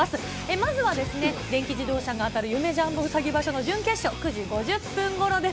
まずはですね、電気自動車が当たる夢・ジャンボうさぎ場所の準決勝、９時５０分ごろです。